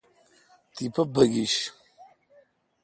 تیپہ بگیݭ ۔